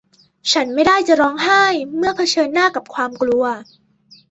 ฉันไม่ได้จะร้องไห้เมื่อเผชิญหน้ากับความกลัว